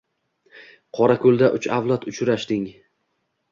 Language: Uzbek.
Qorako‘lda uch avlod uchrashding